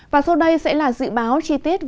và sau đây sẽ là dự báo chi tiết